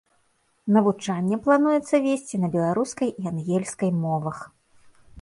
Навучанне плануецца весці на беларускай і ангельскай мовах.